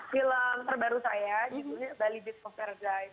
film terbaru saya titulnya bali beats of paradise